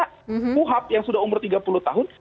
kuhab yang sudah umur tiga puluh tahun